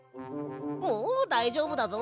もうだいじょうぶだぞ。